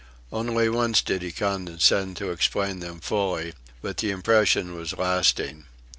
Only once did he condescend to explain them fully, but the impression was lasting.